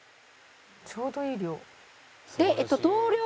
「ちょうどいい量」